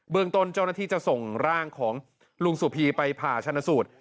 ตนเจ้าหน้าที่จะส่งร่างของลุงสุพีไปผ่าชนะสูตร